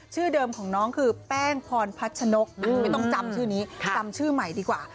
ชื่อเดิมของน้องคือแป้งพรพัชนกไม่ต้องจำชื่อนี้จำชื่อใหม่ดีกว่า